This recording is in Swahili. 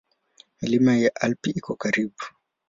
Milima ya Alpi iko karibu.